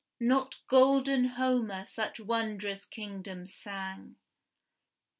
Not golden Homer such wondrous kingdoms sang.